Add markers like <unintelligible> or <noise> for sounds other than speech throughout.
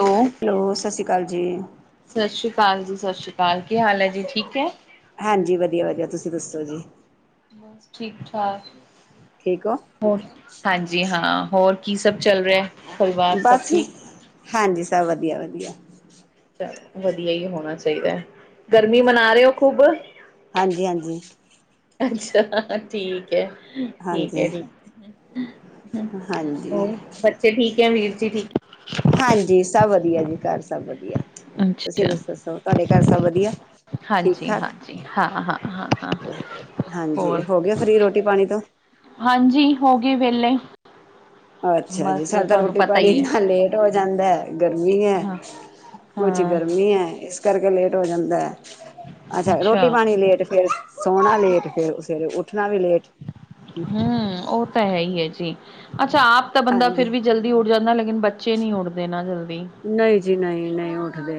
Hello! Hello! ਸਤਿ ਸ਼੍ਰੀ ਅਕਾਲ ਜੀ। ਸਤਿ ਸ਼੍ਰੀ ਅਕਾਲ ਜੀ, ਸਤਿ ਸ਼੍ਰੀ ਅਕਾਲ ਕੀ ਹਾਲ ਹੈ ਜੀ ਠੀਕ ਹੈ। ਹਾਂਜੀ, ਵਧੀਆ-ਵਧੀਆ ਤੁਸੀਂ ਦੱਸੋ ਜੀ। ਬਸ ਠੀਕ ਠਾਕ। ਠੀਕ ਹੋ। ਹੋਰ ਹਾਂਜੀ ਹਾਂ, ਹੋਰ ਕੀ ਸਭ ਚੱਲ ਰਿਹਾ। ਪਰਿਵਾਰ ਸਭ ਬਸ, ਠੀਕ। ਹਾਂਜੀ ਸਭ ਵਧੀਆ-ਵਧੀਆ। ਵਧੀਆ ਹੀ ਹੋਣਾ ਚਾਹੀਦਾ ਹੈ। ਗਰਮੀ ਮਨਾ ਰਹੇ ਹੋ ਖੂਬ। ਹਾਂਜੀ, ਹਾਂਜੀ। ਅੱਛਾ! ਠੀਕ ਹੈ। ਠੀਕ ਹੈ ਹਾਂਜੀ ਠੀਕ ਹਾਂਜੀ ਹੋਰ। <unintelligible> ਅੱਛਾ! ਠੀਕ ਹੈ, ਵੀਰ ਜੀ ਹੈ। ਹਾਂਜੀ, ਸਭ ਵਧੀਆ ਜੀ ਘਰ ਸਭ ਵਧੀਆ, ਤੁਸੀਂ ਅੱਛਾ। ਦੱਸੋ ਤੁਹਾਡੇ ਘਰ ਸਭ ਵਧੀਆ। ਠੀਕ ਹਾਂਜੀ ਠਾਕ ਹਾਂਜੀ ਹਾਂ, ਹਾਂ, ਹਾਂ, ਹਾਂ ਹਾਂਜੀ ਹੋਰ। ਹੋ ਗਏ ਫਰੀ ਰੋਟੀ ਪਾਣੀ ਤੋਂ ਹਾਂਜੀ, ਹੋ ਗਈ ਵੇਲੇ। ਅੱਛਾ! ਜੀ ਸਾਡੇ ਤਾਂ ਰੋਟੀ ਪਤਾ ਪਾਣੀ ਹੀ ਹੈ ਇੰਨਾ ਲੇਟ ਹੋ ਜਾਂਦਾ ਗਰਮੀ ਹੈ। ਹਾਂ ਕੁਛ, ਹਾਂ ਗਰਮੀ ਹੈ ਇਸ ਕਰਕੇ ਲੇਟ ਹੋ ਜਾਂਦਾ। ਅੱਛਾ ਰੋਟੀ ਪਾਣੀ ਲੇਟ ਫੇਰ ਸੋਣਾ ਲੇਟ ਫੇਰ ਸਵੇਰੇ ਉੱਠਣਾ ਵੀ ਲੇਟ। ਹਮ, ਉਹ ਤਾਂ ਹੈ ਹੀ ਹੈ ਜੀ। ਅੱਛਾ ਆਪ ਤਾਂ ਬੰਦਾ ਹਾਂਜੀ ਫਿਰ ਵੀ ਜਲਦੀ। ਉੱਠ ਜਾਂਦਾ। ਲੇਕਿਨ ਬੱਚੇ ਨੀ ਉੱਡਦੇ ਨਾ ਜਲਦੀ। ਨਹੀਂ ਜੀ, ਨਹੀਂ, ਨਹੀਂ ਉੱਠਦੇ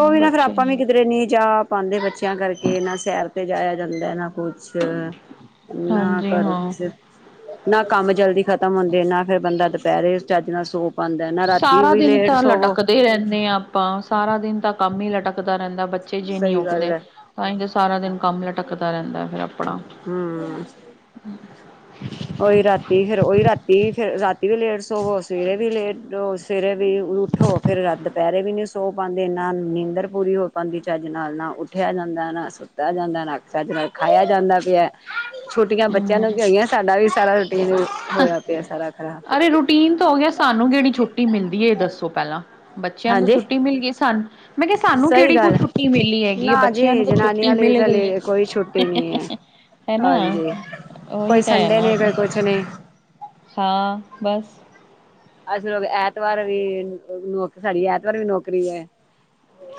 ਉਹ ਵੀ ਨਾ ਫੇਰ ਬੱਚੇ ਆਪਾਂ ਨੀ ਵੀ ਕਿਧਰੇ ਨਹੀਂ ਜਾ ਪਾਉਂਦੇ ਬੱਚਿਆਂ ਕਰਕੇ ਨਾ ਸੈਰ ਤੇ ਜਾਇਆ ਜਾਂਦਾ। ਨਾ ਕੁਛ ਕਰ ਨਾ ਹਾਂਜੀ ਕਰ ਹਾਂ। ਕਿਸੇ ਨਾ ਕੰਮ ਜਲਦੀ ਖਤਮ ਹੁੰਦੇ। ਨਾ ਫੇਰ ਬੰਦਾ ਦੁਪਹਿਰੇ ਚਜ ਨਾਲ ਸੋ ਪਾਉਂਦਾ ਨਾ ਰਾਤੀ ਸਾਰਾ ਵੀ ਦਿਨ ਲੇਟ ਤਾਂ ਸੋਵੋ ਲਟਕਦੇ ਹੀ ਰਹਿੰਦੇ ਹਾਂ ਆਪਾਂ, ਸਾਰਾ ਦਿਨ ਤਾਂ ਕੰਮ ਹੀ ਲਟਕਦਾ ਰਹਿੰਦਾ ਬੱਚੇ ਜੇ ਨਹੀਂ ਸਹੀ ਗੱਲ ਉਠਦੇ ਹੈ ਤਾਂ ਹੀ ਤਾਂ ਸਾਰਾ ਦਿਨ ਕੰਮ ਲਟਕਦਾ ਰਹਿੰਦਾ ਹੈ। ਫਿਰ ਆਪਣਾ। ਹੂ। ਉਹੀ ਰਾਤੀ ਫੇਰ ਉਹੀ ਰਾਤੀ ਫੇਰ ਰਾਤੀ ਵੀ ਲੇਟ ਸੋਵੋ, ਸਵੇਰੇ ਵੀ ਲੇਟ ਹੋ। ਸਵੇਰੇ ਵੀ ਉੱਠੋ ਫੇਰ ਦੁਪਹਿਰੇ ਵੀ ਨੀ ਸੋ ਪਾਉਂਦੇ ਨਾ ਨੀਂਦਰ ਪੂਰੀ ਹੋ ਦੀ ਚੱਜ ਨਾਲ ਨਾ ਉੱਠਿਆ ਜਾਂਦਾ, ਨਾ ਸੁੱਤਾ ਜਾਂਦਾ, ਨਾ ਚੱਜ ਨਾਲ ਖਾਇਆ ਜਾਂਦਾ ਵਾ। ਛੂਟੀਆਂ ਬੱਚਿਆਂ ਹੂੰ। ਨੂੰ ਕਿ ਹੋਈਆਂ ਸਾਡਾ ਵੀ ਸਾਰਾ ਰੂਟੀਨ ਹੋਇਆ ਪਿਆ। ਸਾਰਾ ਖਰਾਬ ਟੀਮ ਤੇ ਹੋ ਗਿਆ ਸਾਨੂੰ ਕਿਹੜੀ ਛੁੱਟੀ ਮਿਲਦੀ ਹੈ ਇਹ ਦੱਸੋ ਪਹਿਲਾਂ, ਬੱਚਿਆਂ ਨੂੰ ਤੋਂ ਹਾਂਜੀ ਛੁੱਟੀ ਮਿਲ ਗਈ ਸਾਨੂੰ ਮੈਂ ਕਿਹਾ, ਸਾਨੂੰ ਸਹੀ ਕਿਹੜੀ ਕੋਈ ਗੱਲ ਛੁੱਟੀ ਮਿਲੀ ਹੈਗੀ ਹੈ ਨਾ ਬੱਚਿਆਂ ਜੀ ਨੂੰ ਤਾਂ ਛੁੱਟੀ ਜਨਾਨੀਆਂ ਲਈ ਮਿਲ ਤਾਂ ਗਈ ਲੇ ਕੋਈ ਛੁੱਟੀ ਨਹੀਂ ਹੈ। ਹੈ ਹੈ ਨਾ। ਹਾਂਜੀ ਉਹੀ ਕੋਈ ਤਾਂ ਹੈ ਸੰਡੇ ਨਾ। ਨਹੀਂ ਕੋਈ ਕੁਛ ਨਹੀਂ ਹਾਂ, ਬਸ। ਅਸੀਂ ਲੋਕ ਐਤਵਾਰ ਵੀ, ਨੌਕ ਸਾਡੀ ਐਤਵਾਰ ਵੀ ਨੌਕਰੀ ਹੈ।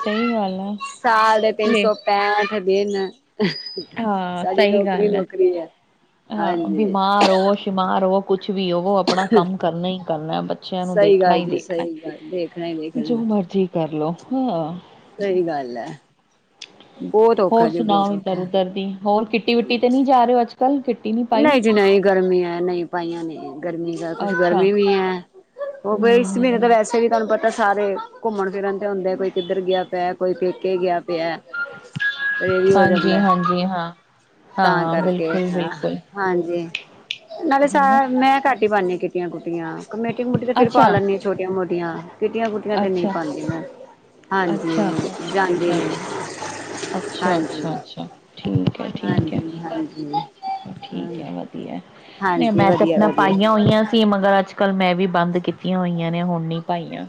ਸਹੀ ਗੱਲ ਆ। ਸਾਲ ਦੇ ਤਿੰਨ ਲੈ, ਸੌ ਪੈਂਠ ਦਿਨ ਹਾਂ ਸਾਡੀ ਸਹੀ ਗੱਲ ਐ। ਨੌਕਰੀ-ਨੌਕਰੀ ਹੈ। ਹਾਂ ਹਾਂਜੀ ਬਿਮਾਰ ਹੋ ਸ਼ਿਮਾਰ ਹੋ। ਕੁਛ ਵੀ ਉਹੋ ਆਪਣਾ ਕੰਮ ਕਰਨਾ ਹੀ ਕਰਨਾ ਬੱਚਿਆਂ ਨੂੰ ਸਹੀ ਦੇਖਣਾ ਗੱਲ ਹੀ ਜੀ ਦੇਖਣਾ। ਸਹੀ ਗੱਲ ਦੇਖਣਾ ਹੀ ਦੇਖਣਾ। ਕਰ ਲਓ ਹਾਂ। ਸਹੀ ਗੱਲ ਹੈ। ਬਹੁਤ ਔਖਾ ਹੋਰ ਜੀ ਸੁਣਾਓ ਬਹੁਤ ਇਧਰ- ਔਖਾ ਉਧਰ ਦੀ ਹੋਰ ਕਿਟੀ ਵਿਟੀ ਤੇ ਨਹੀਂ ਜਾ ਰਹੇ ਹੋ ਅੱਜ ਕੱਲ? ਨਹੀਂ ਜੀ ਨਹੀਂ ਗਰਮੀ ਹੈ ਨਹੀਂ ਪਾਈਆਂ ਨੇ ਗਰਮੀਆਂ। ਕੁਛ ਅੱਛਾ, ਗਰਮੀ ਵੀ ਹੈ। ਉਹ ਫ ਇਸ ਮਹੀਨੇ ਤਾਂ ਹੂੰ-ਹੂੰ। ਵੈਸੇ ਵੀ ਤੁਹਾਨੂੰ ਪਤਾ ਸਾਰੇ ਘੁੰਮਣ- ਫਿਰਨ ਹੁੰਦੇ ਕੋਈ ਕਿੱਧਰ ਗਿਆ ਪਿਆ, ਕੋਈ ਪੇਕੇ ਗਿਆ ਪਿਆ। ਐ ਵੀ ਹੋ ਜਾਂਦਾ। ਹਾਂਜੀ-ਹਾਂਜੀ, ਹਾਂ। ਤਾਂ ਹਾਂ, ਕਰਕੇ, ਹਾਂ। ਬਿਲਕੁਲ-ਬਿਲਕੁਲ, ਹਾਂਜੀ। ਨਾਲੇ ਸ ਹੈਨਾ। ਮੈਂ ਕੱਟ ਹੀ ਪਾਉਂਦੀ ਹਾ ਕਿਟੀਆਂ- ਕੁੱਟੀਆਂ। ਕਮੇਟੀ -ਕਮੂਟੀ ਤਾਂ ਫੇਰ ਪਾ ਅੱਛਾ, ਲੈਂਦੀ ਛੋਟੀਆਂ- ਮੋਟੀਆਂ। ਕਿੱਟੀਆਂ ਕੁ ਤੇ ਨਹੀਂ ਅੱਛਾ, ਪਾਉਦੀਆਂ ਮੈ। ਹਾਂਜੀ। ਜਾਂ ਅੱਛਾ-ਅੱਛਾ-ਅੱਛਾ ਠੀਕ। ਹੈ ਠੀਕ ਹੈ ਹਾਂਜੀ-ਹਾਂਜੀ ਹਾਂ। ਠੀਕ ਹੈ ਨਹੀਂ ਮੈਂ ਤੇ ਆਪਣਾ ਪਾਈਆਂ ਹੋਈਆਂ। ਮਗਰ ਅੱਜ ਕੱਲ੍ਹ ਮੈਂ ਵੀ ਬੰਦ ਕੀਤੀਆਂ ਹੋਈਆਂ ਨੇ ਹੁਣ ਨੀ ਪਾਈਆਂ।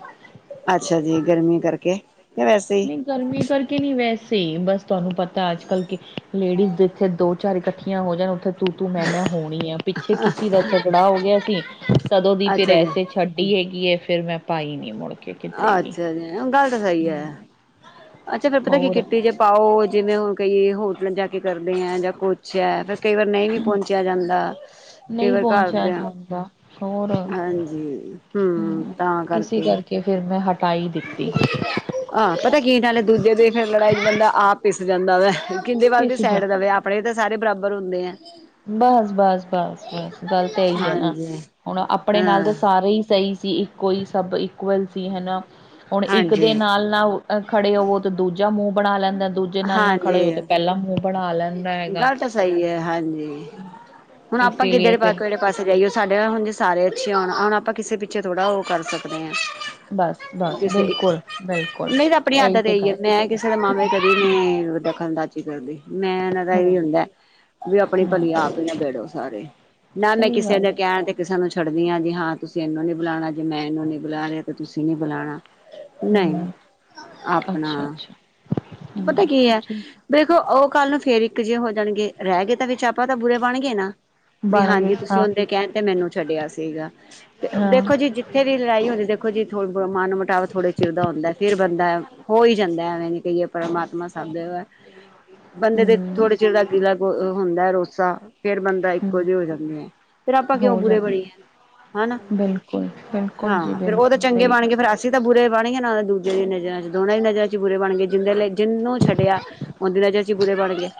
ਅੱਛਾ ਜੀ ਗਰਮੀ ਕਰਕੇ, ਵੈਸੇ ਹੀ। ਨਹੀਂ ਗਰਮੀ ਕਰਕੇ ਨੀ ਵੈਸੇ ਬਸ ਤੁਹਾਨੂੰ ਪਤਾ ਅੱਜ ਕੱਲ੍ਹ ਕਿ ਲੇਡੀਜ਼ ਜਥੇ ਦੋ ਚਾਰ ਇਕੱਠੀਆਂ ਹੋ ਜਾਣ ਉੱਥੇ ਤੂੰ-ਤੂੰ ਮੈਂ-ਮੈਂ ਹੋਣੀ ਆ ਪਿੱਛੇ ਕਿਸੇ ਦਾ ਝਗੜਾ ਹੋ ਗਿਆ ਸੀ, ਕਦੋਂ ਦੀ ਫਿਰ ਅੱਛਾ ਜੀ ਐਸੇ ਛੱਡ ਵੀ ਏਗੀਏ ਫਿਰ ਮੈਂ ਪਾਈ ਨਹੀਂ ਮੁੜ। ਕੇ ਕਿਧਰੇ ਵੀ ਅੱਛਾ ਜੀ ਗੱਲ ਤਾਂ ਸਹੀ ਹੈ। ਅੱਛਾ ਫੇਰ ਪਤਾ ਕੀ ਹੋਰ ਕੀਤੀਕਿੱਟੀ ਜੇ ਪਾਓ ਜਿਵੇਂ ਹੁਣ ਕਈਏ ਹੋਟਲ ਜਾ ਕੇ ਕਰਦੇ ਹੈ ਜਾਂ ਕੁ ਅੱਛਿਆ ਫਿਰ ਕਈ ਵਾਰ ਨਹੀਂ ਵੀ ਪਹੁੰਚਿਆ ਜਾਂਦਾ। ਕਈ ਨਹੀਂ ਵਾਰ ਪਹੁੰਚਿਆ ਘਰਦਿਆਂ ਜਾਂਦਾ। ਸ਼ੋਰ ਹਾਂਜੀ। ਹੂ, ਤਾਂ ਕਰਕੇ। ਕਿ ਫਿਰ ਮੈਂ ਹਟਾਈ ਦਿੱਤੀ। ਆ ਪਤਾ ਕੀੇ ਦੂਜੇ ਦੇ ਫਿਰ ਲੜਾਈ ਚ' ਬੰਦਾ ਆਪ ਪਿਸ ਜਾਂਦਾ ਵਾ, ਕਿਹਿੰਦੇ ਵੱਲ ਦੀ ਇਸ ਜਾ ਸਾਈਡ ਦਾਵੇ ਆਪ ਕੱਪੜੇ ਤਾਂ ਸਾਰੇ ਬਰਾਬਰ ਹੁੰਦੇ ਆ। ਬਸ-ਬਸ-ਬਸ-ਬਸ ਗੱਲ ਤਾਂ ਇਹੀ ਆ ਨਾ। ਹਾਂਜੀ ਹੁਣ ਆਪਣੇ ਹਾਂ ਨਾਲ ਤਾਂ ਸਾਰੇ ਹੀ ਸਹੀ ਸੀ। ਕੋਈ ਸਭ ਇਕੁਅਲ ਸੀ ਹਨਾ। ਹੁਣ ਇੱਕ ਦੇ ਹਾਂਜੀ ਨਾਲ ਨਾ ਖੜੇ ਹੋਵੋ ਤੇ ਦੂਜਾ ਮੂੰਹ ਬਣਾ ਲੈਂਦਾ ਦੂਜਾ ਜੇ ਨਾਲ ਨਾ ਹਾਂਜੀ ਖੜੇ ਹੋ ਤਾਂ ਪਹਿਲਾਂ ਮੂੰਹ ਬਣਾ ਲੈਂਦਾ ਹੈਗਾ। ਗੱਲ ਤਾਂ ਸਹੀ ਹੈ ਹਾਂਜੀ ਹੁਣ ਆਪਾਂ ਇਸੇ ਲਈ ਕਿੱਧਰ ਫਿਰ ਕਿਹੜੇ ਪਾਸੇ ਜਾਈਓ ਸਾਡੇ ਨਾਲ ਹੁਣ ਜੇ ਸਾਰੇ ਅੱਛੇ ਹੋਣ ਹੁਣ ਆਪਾਂ ਕਿਸੇ ਪਿੱਛੇ ਥੋੜ੍ਹਾ ਉਹ ਕਰ ਸਕਦੇ ਬਸ, ਹਾਂ। ਬਸ ਬਿਲਕੁਲ, ਬਿਲਕੁਲ ਨਹੀਂ ਤੇ ਆਪਣੇ ਹੱਥ ਇਹੀ ਦਾ ਤੇ ਦੇਈਏ ਗੱਲ ਮੈ ਕਿਸੇ ਦਾ ਮਾਮਕੇ ਕਦੇ ਨਹੀਂ ਦਖਲ ਅੰਦਾਜ਼ੀ ਕਰਦੀ ਮੈਂ ਨਾ ਤਾਂ ਇਹੀ ਹੂੰ, ਹੁੰਦਾ ਵੀ ਆਪਣੀ ਹੂੰ। ਭਲੀ ਆਪ ਹੀ ਨਾ ਬੇੜੋ ਸਾਰੇ ਨਾ ਮੈਂ ਸਹੀ ਕਿਸੇ ਗੱਲ ਦੇ ਹੈ, ਕਹਿਣ ਤੇ ਸਾਨੂੰ ਛੱਡਦੀ ਹ ਜੀ ਹਾਂ ਤੁਸੀਂ ਇਹਨੂੰ ਨੀ ਬੁਲਾਉਣਾ ਜੇ ਮੈਂ ਇਹਨੂੰ ਨੀ ਬੁਲਾ ਰਿਹਾ ਤੇ ਤੁਸੀਂ ਨੀ ਬੁਲਾਉਣਾ। ਨਹੀਂ ਹੂੰ, ਆਪਣਾ ਅੱਛਾ, ਅੱਛਾ, ਹੂੰ, ਪਤਾ ਕੀ ਹੈ ਠੀਕ। ਦੇਖੋ ਉਹ ਕੱਲ੍ਹ ਨੂੰ ਫੇਰ ਇੱਕ ਜਿਹੇ ਹੋ ਜਾਣਗੇ ਰਹਿ ਗਏ ਤਾਂ ਵਿੱਚ ਆਪਾਂ ਤਾਂ ਬੁਰੇ ਬਣ ਗਏ ਨਾ। ਵੀ ਬਣ ਗਏ ਹਾਂਜੀ ਤੁਸੀਂ ਹਾਂ, ਉਹਦੇ ਕਹਿਣ ਤੇ ਮੈਨੂੰ ਛੱਡਿਆ ਸੀਗਾ। ਤੇ ਹਾਂ। ਦੇਖੋ ਜੀ ਜਿੱਥੇ ਦੀ ਲੜਾਈ ਹੁੰਦੀ ਦੇਖੋ ਜੀ ਮਨ ਮਿਟਵ ਥੋੜ੍ਹੇ ਚਿਰ ਦਾ ਹੁੰਦਾ ਫਿਰ ਬੰਦਾ ਹੋ ਹੀ ਜਾਂਦਾ ਐਵੇਂ ਨੀ ਕਹੀਏ ਪਰਮਾਤਮਾ ਸਭ ਜਗ੍ਹਾ ਹੈ, ਬੰਦੇ ਦੇ ਹਮ ਥੋੜੇ ਚਿਰ ਦਾ ਗੀਲਾ ਗ ਹੁੰਦਾ ਰੋਸਾ। ਫੇਰ ਬੰਦਾ ਇੱਕੋ ਹਮ ਜਿਹੇ ਹੋ ਜਾਂਦੇ ਆ ਫੇਰ ਆਪਾਂ ਕਿਉਂ ਹੋ ਬੁਰੇ ਜਾਂਦੀ ਬਣੀਏ? ਹੈ। ਹਨਾ ਬਿਲਕੁਲ ਬਿਲਕੁਲ ਜੀ ਹਾਂ ਫੇਰ ਉਹ ਤਾਂ ਬਿਲਕੁਲ ਚੰਗੇ ਸਹੀ ਬਣ ਗਏ ਗੱਲ ਫਰ ਹੈ ਅਸ ਅਸੀ ਤਾਂ ਬੁਰੇ ਬਣ ਗਏ ਨਾ ਉਹ ਦਜੇ ਦੇ ਨਜ਼ਰਾਂ ਚ ਦੋਨਾਂ ਹੀ ਨਜ਼ਰਾਂ ਚ ਬੁਰੇ ਬਣ ਗਏ ਜਿੰਦੇ ਲਈ ਜਿਹਨੂੰ ਛੱਡਿਆ ਉਹਦੀ ਨਜ਼ਰਸੀਂ ਬੁਰੇ ਬਣ ਗਏ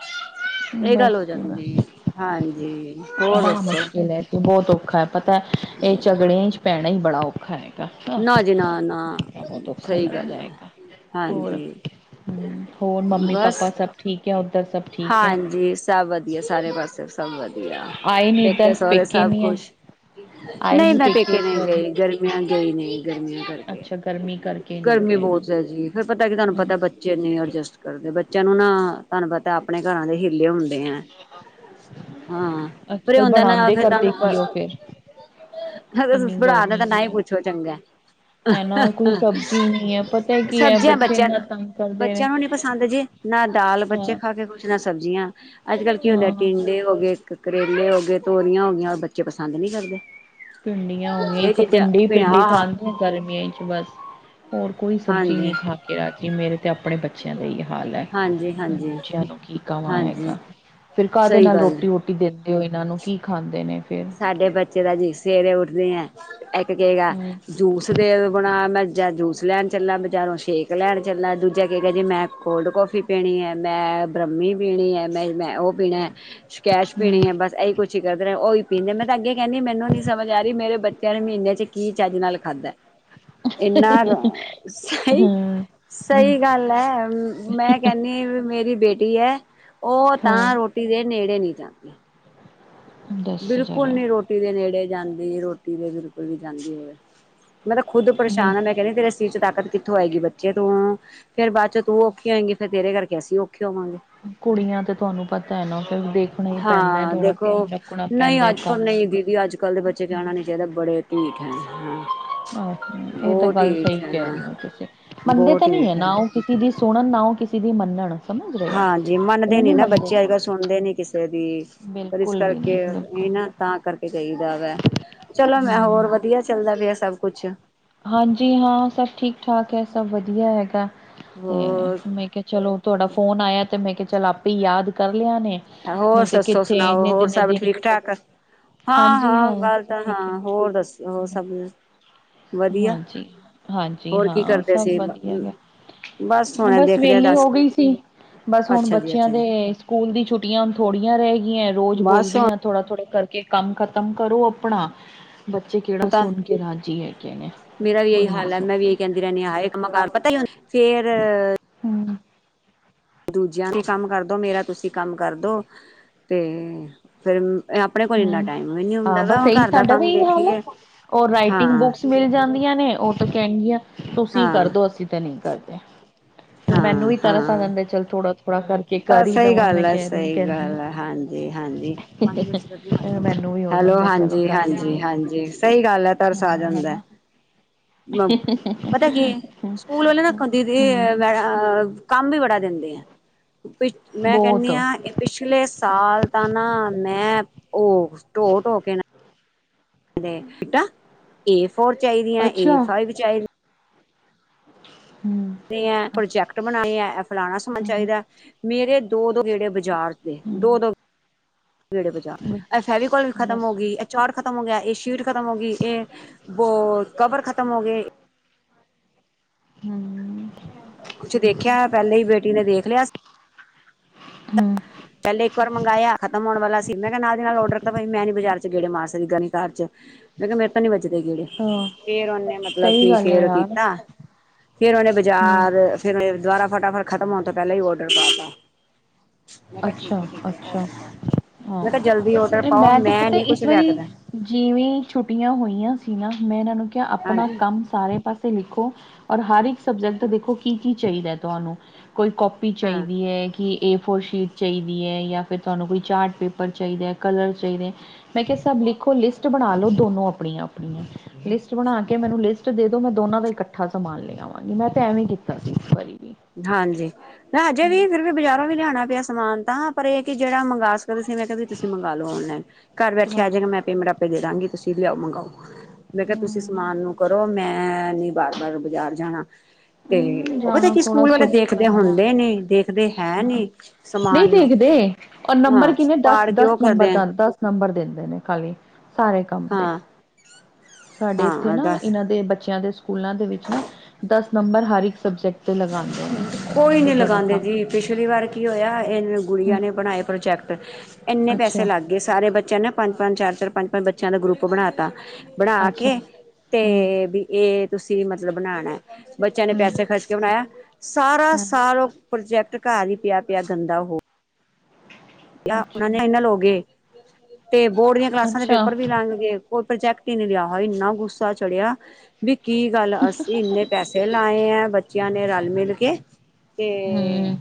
ਇਹ ਗੱਲ ਬਸ ਹੋ ਜੀ ਜਾਂਦੀ ਏ ਬਸ ਹਾਂਜੀ ਹੋਰ ਬੜਾ ਦੱਸੋ ਮੁਸ਼ਕਿਲ ਹੈ ਬਹੁਤ ਔਖਾ ਹੈ ਪਤਾ ਇਹ ਝਗੜਿਆਂ 'ਚ ਪੈਣਾ ਹੀ ਬੜਾ ਔਖਾ ਹੈ ਨਾ ਜੀ ਨਾ ਨਾ ਔਖਾ ਸਹੀ ਲੱਗਦਾ ਗੱਲ ਹੈ ਹੈਗਾ ਹੋਰ ਹਾਂਜੀ ਹਮ ਹੋਰ ਮੰਮੀ ਬਸ ਪਾਪਾ ਸਭ ਠੀਕ ਏ ਉੱਧਰ ਸਭ ਠੀਕ ਹੈ ਹਾਂਜੀ ਸਭ ਵਧੀਆ ਸਾਰੇ ਪਾਸੇ ਸਭ ਵਧੀਆ ਆਏ ਨੀ ਪੇਕੇ ਇੱਧਰ ਸਹੁਰ ਸਭ ਨੀ ਹੈ ਖੁਸ਼ ਆਏ ਨਹੀਂ ਨੀ ਮੈਂ ਪੇਕੇ ਇਸ ਨਹੀਂ ਵਾਰੀ ਗਈ ਗਰਮੀਆਂ ਗਈ ਨਹੀਂ ਗਰਮੀਆਂ ਕਰਕੇ ਅੱਛਾ ਗਰਮੀ ਕਰਕੇ ਨਹੀਂ ਗਰਮੀ ਗਏ ਨਾ ਬਹੁਤ ਹੈ ਜੀ ਫੇਰ ਪਤਾ ਕੀ ਤੁਹਾਨੂੰ ਹਮ ਪਤਾ ਬੱਚੇੇ ਨਿ ਅਡਜਸਟ ਕਰਦੇ ਬੱਚਿਆਂ ਨੂੰ ਨਾ ਤੁਹਾਨੂੰ ਪਤਾ ਆਪਣੇ ਘਰਾਂ ਦੇ ਹੀਲੇ ਹੁੰਦੇ ਹੈ ਹਾਂ ਅੱਜ ਪਰ ਇਹ ਕੱਲ ਹੁੰਦਾ ਨਾ ਯ ਬਣਾਉਂਦੇ ਫਿਰ ਕਰਦੇ ਤੁਹਾਨੂੰ ਕੀ ਬਸ ਉਹ ਫਿਰ ਸੁ ਇੰਨੀ ਬੜਾਣ ਦਾ ਗਰਮੀ ਤਾਂ ਨਾ ਹੀ ਵਿੱਚ ਪੁੱਛੋ ਚੰਗਾ ਹੈ ਨਾ ਕੋਈ ਸਬਜ਼ੀ ਨਹੀਂ ਹੈ ਪਤਾ ਕੀ ਹੈ ਸਬਜ਼ੀਆਂ ਬੱਚੇ ਬੱਚਿਆਂ ਇੰਨਾ ਨੂੰ ਤੰਗ ਕਰਦੇ ਨੇ ਬੱਚਿਆਂ ਨੂੰ ਨੀ ਪਸੰਦ ਜੇ ਨਾ ਦਾਲ ਬੱਚੇ ਹਾਂ ਖਾ ਕੇ ਕੁਛ ਨਾ ਸਬਜ਼ੀਆਂ ਅੱਜ ਕੱਲ ਕੀ ਹੁੰਦੇ ਆ ਹਾਂ ਟਿੰਂਡੇ ਹੋ ਗਏ ਕਰੇਲੇ ਹੋ ਗਏ ਤੋਰੀਆਂ ਹੋ ਗੀਆਂ ਉਹ ਬੱਚੇ ਪਸੰ ਨਹੀਂੀ ਕਰਦੇ ਪਿੰਡੀਆਂ ਹੋ ਗਈਆਂ ਇਹ ਇੱਕ ਚੀਜ਼ਾਂ ਫਿਰ ਹਾਂ ਪਿੰਡੀ ਹਾਂ ਖਾਂਦੇ ਗਰਮੀਆਂ ਚ ਬਸ ਹੋਰ ਕੋਈ ਸਬਜ਼ੀ ਹਾਂਜੀ ਨਹੀਂੀ ਖਾ ਕੇ ਰਾਜੀ ਮੇਰੇ ਤੇ ਆਪਣੇ ਬੱਚੇ ਬੱਚਿਆਂ ਦਾ ਹੀ ਹਾਲ ਹੈ ਹਾਂਜੀ ਮੈਂ ਹਾਂਜੀ ਬੂੱਚਿਆਂ ਨੂੰ ਕੀ ਕਵਾਂ ਹਾਂਜੀ ਹੈਗਾ ਫਿਰ ਘਾਹ ਦੇ ਸਹੀ ਨਾਲ ਗੱਲ ਹੈ ਰੋਟੀ ਰੋਟੀ ਰ ਦਿੰਦੇ ਹੋ ਇਹਨਾਂ ਨੂੰ ਕੀ ਖਾਂਦੇ ਨੇ ਫੇਿਰ ਸਾਡੇ ਬੱਚੇ ਦਾ ਜੀ ਸਵੇਰੇ ਉੱਠਦੇ ਆ ਇੱਕ ਕਏਗਾ ਹਮ ਜੂਸ ਦੇ ਬਣਾ ਮੈਂਜ਼ਾਂ ਜੂਸ ਲੈਣ ਚੱਲਾਂ ਬਜ਼ਾਰੋਂ ਸ਼ੇਕ ਲੈਣ ਚੱਲਾਂ ਦੂਜਾ ਕੀ ਕਿਹਾ ਜੀ ਮੈਂ ਕੋਲਡ ਕੌਫੀ ਪੀਣੀ ਹੈ ਮੈਂ ਬ੍ਰਮੀ ਪੀਣੀ ਹੈ ਮੈਂ ਮੈਂ ਉਹ ਪੀਣਾ ਹੈ ਕੈਸ਼ ਪੀਣੀ ਹੈ ਬਸ ਇਹੀ ਕੁਛ ਹੀ ਕਰਦਾ ਰਿਹਾ ਉਹੀ ਪੀਂਦੇ ਮੈਂ ਤਾਂ ਅੱਗੇ ਕਹਿੰਦੀ ਮੈਨੂੰ ਨੀ ਸਮਝ ਆ ਰਹੀ ਮੇਰੇ ਬੱਚਿਆਂ ਨੂੰ ਮਹੀਨਿਆਂ ਚ ਕੀ ਚੱਜ ਨਾਲ ਖਾਧਾ ਇੰਨਾ ਰ ਸਹੀ, ਹਮ ਸਹੀ ਗੱਲ ਹੈ ਮੈਂ ਕਹਿੰਦੀ ਵੀ ਮੇਰੀ ਬੇਟੀ ਹੈ ਉਹ ਹਾਂ ਹਾਂ ਤਾਂ ਰੋਟੀ ਦੇ ਨੇੜੇ ਨਹੀਂੀ ਜਾਂਦੀ ਦੱਸ ਬਿਲਕੁਲ ਜਰਾ ਨੀ ਰੋਟੀ ਦੇ ਨੇੜੇ ਜਾਂਦੀ ਰੋਟੀ ਦੇ ਬਿਲਕੁਲ ਵੀ ਜਾਂਦੀ ਹੋਵੇ ਮੈਂ ਤਾਂ ਖੁਦ ਨਹੀਂ ਪਰੇਸ਼ਾਨਾਂ ਮੈਂ ਕਹਿੰਦੀ ਤੇਰੇ ਚ, ਤਾਕਤ ਕਿੱਥੋਂ ਆਏਗੀ ਬੱਚੇ ਤੂੰ, ਫੇਰ ਬਾਅਦ ਚੋਂ ਤੂੰ ਔਖੇ ਆਏਂਗੀ ਫੇਰ ਤੇਰੇ ਕਰਕੇ ਅਸੀਂ ਔਖੇ ਹੋਵਾਂਗੇ ਕੁੜੀਆਂ ਤੇ ਤੁਹਾਨੂੰ ਪਤਾ ਹੈ ਨਾ ਫਿਰ ਦੇਖ ਹਾਂ ਦੇਖੋ ਨਹੀਂ ਪੈਂਦਾ ਅੱਜ ਪਰ ਗੱਲ ਨੂੰ ਨਹੀਂ। ਦੀਦੀ ਅੱਜ-ਕੱਲ੍ਹ ਦੇ ਬੱਚੇ ਕਹਿਣਾ ਨੀ ਚਾਹੀਦਾ ਬੜੇ ਢੀਠ ਹੈ ਹਾਂ ਅਹ ਇਹ ਤਾਂ ਬਹੁਤ ਗੱਲ ਢੀਠ ਸਹੀ ਹੈ ਕਹਿ ਰਹੇ ਹੋ। ਤੁਸੀਂ ਮੰਨਦੇ ਬਹੁਤ ਤਾਂ ਨਹੀ ਹੈ! ਢੀਠ ਨਾ ਉਹ ਕਿਸ ਕਿਸੇ ਦੀ ਸੁਣਨ ਨਾ ਉਹ ਕਿਸੇ ਦੀ ਮੰਨਣ ਸਮਝ ਰਹੇ ਹੋ ਹਾਂਜੀੀ ਮੰਨਦੇ ਉਹ ਨੀ ਨਹੀਂ ਨਾ ਬੱਚੇ ਅੱਜ-ਕੱਲ੍ਹ ਸੁਣੇ ਸੁਣਦੇ ਨੀ ਕਿਸੇ ਦੀ ਪਰ ਇਸ ਬਿਲਕੁਲ ਵੀ ਕਰਕੇ ਨਹੀਂ ਬਿਲਕੁਲ ਇਹ ਨਾ ਤਾਂ ਕਰਕੇ ਚਾਹੀਦਾ ਵੈ, ਚਲੋ ਮੈਂ ਹੋਰ ਹਮ ਵਧੀਆ। ਚੱਲਦਾ ਪਿਆ ਸਭ ਕੁੱਛ ਹਾਂਜੀ ਹਾਂ ਸਭ ਠੀਕ-ਠਾਕ ਹੈ ਸਭ ਵਧੀਆ ਹੈਗਾ ਤੇ ਹੋਰ, ਮੈਂ ਕ ਚਲੋ ਤੁਹਾਡਾ ਫੋਨ ਆਇਆ ਅਤੇ ਮੈਂ ਕਿਹਾ ਚੱਲ ਆਪੇ ਯਾਦ ਕਰ ਲਿਆ ਨੇ, ਹੋਰ ਨਹੀਂ ਤੇ ਸੱਸੋ ਕਿੱਥੇ ਸੁਣਾਓ ਇੰਨੇ ਹੋਰ ਦਿਨੇ ਸਭ ਦਿਨ ਠੀਕ-ਠਾਕ ਹਾਂ, ਹਾਂਜੀ ਹਾਂ ਗੱਲ ਸਭ ਤਾਂ ਠੀਕ ਹਾਂ ਹੋਰ ਦੱਸ ਹੋਰ ਸਭ ਵਧੀਆ। ਹਾਂਜੀ-ਹਾਂਜੀ ਹੋਰ ਕੀ ਹਾਂ ਕਰਦੇ ਸਭ ਸੀ? ਵਧੀਆ ਹੈ ਹੁਣੇ ਬਸ ਦੇਖਦੇ ਆ ਵਿਹਲੀ ਦੱਸ ਹੋ ਗਈ ਸੀ। ਬਸ ਹੁਣ ਅੱਛਾ ਜੀ ਬੱਚਿਆਂ ਅੱਛਾ ਦੇ, ਜੀ ਸਕੂਲ ਦੀ ਛੁੱਟੀਆਂ ਥੋੜੀਆਂ ਰਹਿ ਗਈਆਂ ਏ, ਰੋਜ਼ ਬਸ ਬੋਲਦੀਆਂ ਹੁਣ ਥੋੜ੍ਹਾ-ਥੋੜ੍ਹਾ ਕਰਕੇ ਕੰਮ ਖ਼ਤਮ ਕਰੋ। ਆਪਣਾ ਬੱਚੇ ਕਿਹੜਾ ਤਾਂ ਸੁਣ ਕੇ ਰਾਜੀ ਹੈ ਮੇਰਾ ਵੀ ਇਹੀ ਹਾਲ ਹੈ ਮੈਂ, ਵੀ ਇਹੀ ਕਹਿੰਦੀ ਰਹਿੰਦੀ ਆ। ਹ ਇਹ ਕਮਾ ਕਾਰ ਪਤਾ ਹੀ ਹ ਫੇਰ ਹੂ <unintelligible> ਦੂਜਿਆਂ ਵੀ, ਕੰਮ ਕਰਦੋ ਮੇਰਾ ਤੁਸੀਂ ਕੰਮ ਕਰਦੋ ਤੇ, ਫੇਰ ਆਪਣੇ ਕੋਲ ਇੰਨਾ ਹੂੰ ਟਾਈਮ ਨੀ ਹਾਂ ਹੁੰਦਾ, ਵ ਬਸ ਹੁਣ ਇਹੀ ਘਰ ਦਾ ਸਾਡਾ ਵੀ ਕੰਮ ਇਹੀ ਹਾਲ ਹੈ। ਦੇਖੀਏ। ਉਹ ਰਾਈਟਿੰਗ ਹਾਂ ਬੁੱਕਸ ਮਿਲ ਜਾਂਦੀਆਂ ਨੇ ਉਹ। ਕਹਿ ਦੀਆ ਤੁਸੀਂ ਹਾਂ ਕਰਦੋ, ਅਸੀਂ ਤੇ ਨਹੀਂ ਕਰਦੇ। ਫਿਰ ਮੈਨੂੰ ਹਾਂ ਵੀ ਤਰਸ ਆ ਹਾਂ ਜਾਂਦਾ ਚਲ ਥੋੜਾ-ਥੋੜਾ ਕਰ। ਤਾਂ ਹੀ ਸਹੀ ਦੇਵਾਂ ਮੈਂ ਗੱਲ ਹੈ ਕਹਿ ਰਹੀ ਸਹੀ ਕਹਿੰਦੀ ਹਾਂ। ਗੱਲ ਹੈ ਹਾਂਜੀ-ਹਾਂਜੀ ਪੰਜ ਫਿਰ ਮਿੰਟ। ਮੈਨੂੰ ਵੀ ਹੋ ਹੈਲੋ ਜਾਂਦਾ ਚਲੋ ਕਰ ਲਈਏ ਹਾਂਜੀ-ਹਾਂਜੀ-ਹਾਂਜੀ, ਸਹੀ ਗੱਲ ਹੈ ਤਰਸ ਆ ਹਾਂ ਜਾਂਦਾ। ਹਨਾ ਪਤਾ ਕੀ ਸਕੂਲ ਵਾਲੇ ਨਾ ਕਦੀ। ਹੂੰ ਅ ਕੰਮ ਵੀ ਬੜਾ ਦਿੰਦੇ ਆ, ਮੈਂ ਬਹੁਤ ਕਹਿੰਦੀ ਹਾਂ। ਪਿਛਲੇ ਸਾਲ ਤਾਂ ਨਾ ਮੈਂ ਉਹ ਢੋ-ਢੋ ਕੇ ਨਾ। ਟਾ ਏ ਫੋਰ ਚਾਹੀਦੀਆਂ ਅੱਛਾ ਏ, ਫਾਈਵ ਚਾਹੀਦੀਆਂ। ਹੂ ਪ੍ਰੋਜੈਕਟ ਬਣਾਉਣੇ ਹੈ ਇਹ ਫਲਾਣਾ ਸਮਾਨ ਹੂੰ ਚਾਹੀਦਾ ਮੇਰੇ ਦੋ-ਦੋ ਗੇੜੇ ਬਾਜ਼ਾਰ। ਦੋ-ਦੋ ਹੂੰ ਗੇੜੇ ਬਜਾਰ, ਇਹ ਫੈਵਕੋਲ ਵੀ ਖਤਮ ਹੋ ਬਸ ਗਈ। ਚਾਟ ਖ਼ਤਮ ਹੋ ਗਿਆ, ਇਹ ਸ਼ੀਟ ਖਤਮ ਹੋ ਗਈ ਇਹ ਬੋ ਕਵਰ ਖਤਮ ਹੋ ਗਏ। ਹੂ। ਕੁਛ ਦੇਖਿਆ, ਪਹਿਲੇ। ਹੀ ਬੇਟੀ ਨੇ ਦੇਖ ਲਿਆ। ਹੂ ਪਹਿਲੇ ਇੱਕ ਵਾਰ ਮੰਗਾਇਆ ਖਤਮ ਹੋਣ ਵਾਲਾ ਸੀ, ਮੈਂ ਕਿਹਾ ਨਾਲ ਦੇ ਨਾਲ ਔਡਰ ਤਾਂ ਮੈਂ ਨੀ ਬਾਜ਼ਾਰ ਚ ਗੇੜੇ ਮਾਰ ਸਕਦੀ ਗਲੀ ਕਾਰ ਚ। ਮੈਂ ਕਿਹਾ ਮੇਰੇ ਤਾਂ ਨੀ ਵੱਜੇਦੇ ਗੇੜੇ। ਹਾਂ ਫੇਰ ਉਹਨੇ ਮਤਲਬ ਸਹੀ ਕੀ ਗੱਲ ਹੈ ਫੇਰ ਯਾਰ ਕੀਤਾ ਫੇਰ ਉਹ ਓਹਨੇ ਹੂੰ ਬਾਜ਼ਾਰ। ਫਿਰ ਦੁਬਾਰਾ ਫਟਾਫਟ ਖ਼ਤਮ ਹੋ, ਤੋਂ ਪਹਿਲਾਂ ਹੀ ਔਡਰ ਪਾਤਾ। ਮੈਂ ਕਿਹਾ ਠੀਕ ਹੈ, ਠੀਕ ਹੈ ਔਡਰ ਅੱਛਾ-ਅੱਛਾ, ਪਾਓ। ਹਾਂ ਮੈਂ ਕਿਹਾ ਜਲਦੀ ਔਡਰ ਇਹ ਪਾਓ, ਮੈਂ, ਤੇ ਪਤਾ ਨੀ ਕੁਛ ਇਸ ਲਿਆ ਕੇ ਵਾਰੀ। ਦੇਣਾ, ਜਿਵੇਂ ਛੁੱਟੀਆਂ ਹੋਈਆਂ ਸੀ, ਨਾ ਮੈਂ ਇਹਨਾਂ ਨੂੰ ਕਿਹਾ ਆਪਣਾ ਹਾਂਜੀ ਕੰਮ ਸਾਰੇ। ਪਾਸੇ ਲਿਖੋ ਔਰ ਹਰ ਇੱਕ ਸਬਜੈਕਟ ਦੇਖੋ ਕੀ, ਕੀ ਚਾਹੀਦਾ ਹੈ ਤੁਹਾਨੂੰ। ਕੋਈ ਕੋਪੀ ਹਾਂ। ਚਾਹੀਦੀ ਹੈ, ਕਿ ਏ, ਫੋਰ ਸ਼ੀਟ। ਚਾਈਦੀ ਐ ਯਾ ਫਿਰ ਤੁਆਨੂੰ ਕੋਈ ਚਾਟ ਪੇਪਰ ਚਾਈਦਾ ਕਲਰ ਚਾਈਦੇ ਐ। ਮੈਂ ਕਿਆ ਸਬ ਲਿਖੋ ਲਿਸਟ ਬਣਾ ਲਓ, ਦੋਨੋ ਆਪਣੀਆਂ-ਆਪਣੀਆਂ। ਲਿਸਟ ਬਣਾ ਕੇ ਮੈਨੂੰ ਲਿਸਟ ਦੇ ਦੋ ਮੈਂ ਦੋਨਾਂ ਦਾ ਇਕੱਠਾ ਸਮਾਨ ਲੇ ਆਵਾਂਗੀ ਮੈਂ ਤੇ ਐਵੇਂ ਈ ਕੀਤਾ ਸੀ ਇਸ ਵਾਰੀ। ਵੀ ਹਾਂਜੀ, ਨਾ ਹਜੇ ਵੀ ਫਿਰ ਵੀ ਬਜ਼ਾਰੋਂ ਵੀ ਲਿਆਣਾ ਪਿਆ ਸਮਾਨ ਤਾਂ ਪਰ ਏ ਕੀ ਜੇੜਾ ਮੰਗਾ <unintelligible> ਸੀ ਮੈਂ ਕਿਆ ਵੀ ਤੁਸੀਂ ਮੰਗਾ ਲੋ ਔਨਲੈਨ ਘਰ ਬੈਠੇ ਹਾਂ ਆ ਹਾਂ ਜਾਏਗਾ ਮੈਂ ਪੇਮੈਂਟ ਆਪੇ ਦੇ ਦਾਂਗੀ ਤੁਸੀਂ ਲੇਆਓ ਮੰਗਾਓ। ਮੈਂ ਕਿਆ ਤੁਸੀਂ ਹਮ ਸਮਾਨ ਨੂੰ ਕਰੋ, ਮੈਂ ਨੀ ਬਾਰ-ਬਾਰ ਬਜਾਰ ਜਾਣਾ। ਤੇ ਹਮ, ਓ ਪਤਾ ਜਾਣਾ ਕੀ ਥੋੜਾ ਸਕੂਲ ਵਾਲੇੇ ਸੌਖਾ ਦੇਖਦੇ ਹੈ ਹੁੰਦੇ ਨੀ ਦੇਖਦੇ ਹੈ ਹਾਂ ਨੀ, ਨਹੀਂ ਸਮਾਨ ਨੂੰ। ਦੇਖਦੇ ਔਰ ਨੰਬਰ ਹਾਂ, ਕਿੰਨੇ ਦਸ ਪਾੜ ਦਸ ਕਿਓਂ ਕਰਦੇ ਨੰਬਰ ਐ? ਦਾ ਦਸ ਨੰਬਰ ਦਿੰਦੇ ਨੇ ਖਾਲੀ, ਸਾਰੇ ਕੰਮ ਦੇ। ਹਾਂ ਸਾਡੇ ਏਥੇ ਹਾਂ ਨਾ ਦੱਸ ਏਨਾਂ ਦੇ ਬੱਚੇਆਂ ਦੇ ਸਕੂਲਾਂ ਦੇ ਵਿੱਚ ਨਾ ਦਸ ਨੰਬਰ ਹਰ ਇੱਕ ਸਬਜੈਕਟ ਤੇ ਲਗਾਉਂਦੇ ਨੇ ਕੋਈ ਵੀ ਨੀ ਤੁਹਾਡਾ ਲਗਾਂਦੇ ਕੰਮ ਜੀ ਪਿਛਲੀ ਵਾਰ ਕੀ ਹੋਏਆ ਏਨੇ ਗੁੜੀਆਂ ਹਮ ਨੇ ਬਣਾਯੇ ਪ੍ਰੋਜੈਕਟ ਇੰਨੇ ਪੈਸੇ ਅੱਛਾ ਲਾਗੇ ਸਾਰੇ ਬੱਚੇਆਂ ਨੇ ਪੰਜ-ਪੰਜ, ਚਾਰ-ਚਾਰ, ਪੰਜ-ਪੰਜ ਬੱਚੇਆਂ ਦਾ ਗਰੁੱਪ ਬਣਾ ਤਾ ਬਣਾ ਅੱਛਾ ਕੇ, ਹਮ ਤੇ ਵੀ ਏ ਤੁਸੀਂ ਮਤਲਬ ਬਣਾਣੈ, ਬੱਚੇਆਂ ਨੇ ਹਮ ਪੈਸੇ ਖਰਚ ਕਿ ਬਣਾਯੇਆ, ਸਾਰਾ ਹਮ ਸਾਲ ਓ ਪ੍ਰੋਜੈਕਟ ਘਰ ਈ ਪਿਆ-ਪਿਆ ਗੰਦਾ ਹੋ ਓਨਾ ਨੇ ਅੱਛਾ ਫਾਈਨਲ ਹੋ ਗਏ ਤੇ ਬੋਰਡ ਦੀਆਂ ਕਲਾਸਾਂ ਦੇ ਅੱਛਾ ਪੇਪਰ ਵੀ ਲੰਘ ਗੇ ਓ ਪ੍ਰੋਜੈਕਟ ਈ ਨੀ ਲਿਆ ਹਾਏ ਇੰਨਾ ਗੁੱਸਾ ਚੜੇਆ ਵੀ ਕੀ ਗੱਲ ਅਸੀਂ ਇੰਨੇ ਪੈਸੇ ਲਾਏ ਐ ਬੱਚੇਆਂ ਨੇ ਰਲ ਮਿਲ ਕੇ, ਤੇ ਹਮ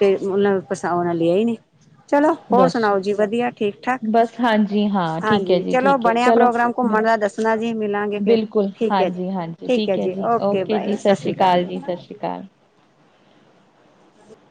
ਤੇ ਹੁਨ ਪਰਸਾ ਓਨਾ ਲਿਆ ਈ ਨੀ। ਚਲੋ ਹੋਰ ਦੱਸ ਸੁਣਾਓ ਜੀ ਵਦੀਆ ਠੀਕ-ਠਾਕ, ਬਸ ਹਾਂਜੀ ਹਾਂ ਠੀਕ ਹੈ ਹਾਂਜੀ ਜੀ ਚਲੋ ਠੀਕ ਹੈ ਬਣੇਆ ਚਲੋ ਪ੍ਰੋਗਰਾਮ ਘੁੰਮਣ ਦਾ ਦੱਸਣਾ ਜੀ ਮਿਲਾਂਗੇ ਫੇਰ, ਬਿਲਕੁਲ ਠੀਕ ਐ ਜੀ, ਹਾਂਜੀ ਹਾਂਜੀ ਠੀਕ ਐ ਹੈ ਜੀ ਓਕੇ ਜੀ ਬਾਏ। ਸਤਿ ਸ਼੍ਰੀ ਸਸ੍ਰੀ ਕਾਲ ਅਕਾਲ ਸਤਿ ਸ਼੍ਰੀ ਜੀ। ਅਕਾਲ